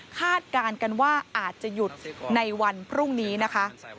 การกันว่าอาจจะหยุดในวันพรุ่งนี้นะคะ